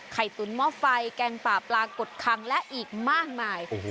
ตุ๋นหม้อไฟแกงป่าปลากดคังและอีกมากมาย